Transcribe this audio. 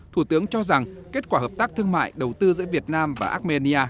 thủ tướng cho rằng kết quả hợp tác thương mại đầu tư giữa việt nam và armenia